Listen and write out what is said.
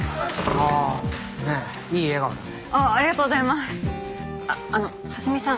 あっあの蓮見さん